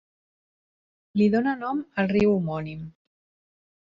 Li dóna nom el riu homònim.